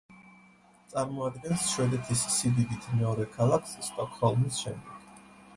წარმოადგენს შვედეთის სიდიდით მეორე ქალაქს სტოკჰოლმის შემდეგ.